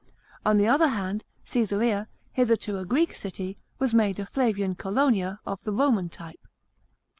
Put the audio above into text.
On the other hand, Csesarea, hitherto a Greek city, was made a Flavian Colonia of Roman type.